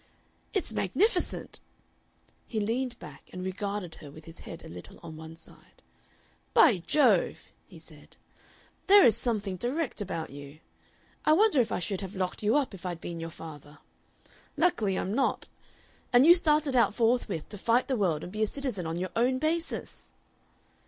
"It's magnificent!" He leaned back and regarded her with his head a little on one side. "By Jove!" he said, "there is something direct about you. I wonder if I should have locked you up if I'd been your father. Luckily I'm not. And you started out forthwith to fight the world and be a citizen on your own basis?"